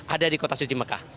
ada di kota suci mekah